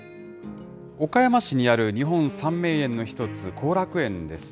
岡山市にある日本三名園の一つ、後楽園です。